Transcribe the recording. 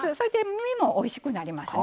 身もおいしくなりますね。